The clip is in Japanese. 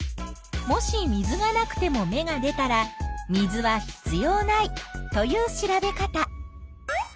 もし水がなくても芽が出たら水は必要ないという調べ方。